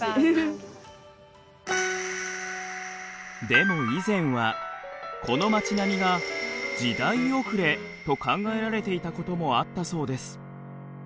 でも以前はこの町並みが時代遅れと考えられていたこともあったそうです。